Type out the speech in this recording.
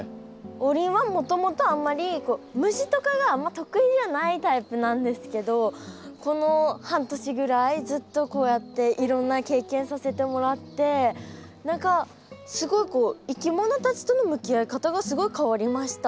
王林はもともとあんまり虫とかが得意じゃないタイプなんですけどこの半年ぐらいずっとこうやっていろんな経験させてもらって何かすごいこういきものたちとの向き合い方がすごい変わりました。